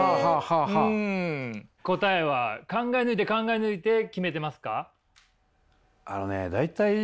答えは考え抜いて考え抜いて決めてますか？